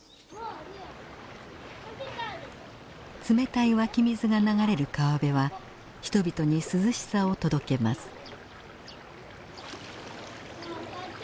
冷たい湧き水が流れる川辺は人々に涼しさを届けます。